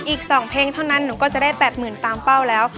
อีก๒เพลงเท่านั้นหนูก็จะได้๘๐๐๐ตามเป้าแล้ว